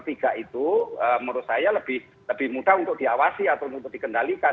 itu menurut saya lebih mudah untuk diawasi atau untuk dikendalikan